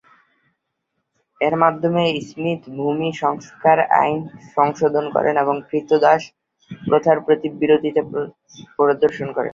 এর মাধ্যমে স্মিথ ভূমি সংস্কার আইন সংশোধন করেন এবং ক্রীতদাস প্রথার প্রতি বিরোধিতা প্রদর্শন করেন।